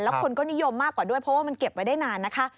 คนก็นิยมมากกว่าด้วยเพราะว่ามันเก็บไว้ได้นานนะคะ